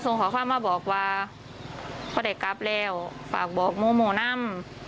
ส่งข้อความมาบอกว่าเขาได้กลับแล้วฝากบอกโมโมนำ